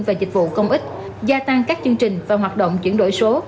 và dịch vụ công ích gia tăng các chương trình và hoạt động chuyển đổi số